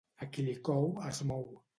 A qui li cou, es mou.